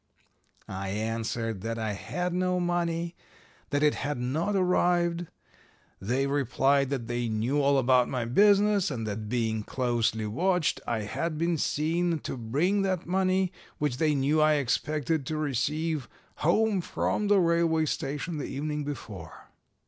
"I answered that I had no money; that it had not arrived. They replied that they knew all about my business, and that being closely watched I had been seen to bring that money, which they knew I expected to receive, home from the railway station the evening before.